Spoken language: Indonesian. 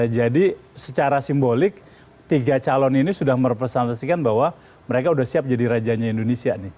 jadi secara simbolik tiga calon ini sudah merpresentasikan bahwa mereka udah siap jadi rajanya indonesia nih